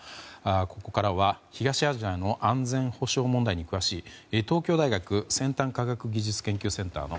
ここからは東アジアの安全保障問題に詳しい東京大学先端科学技術研究センターの